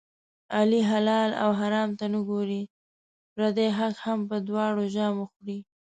علي حلال او حرام ته نه ګوري، پردی حق هم په دواړو زامو خوري.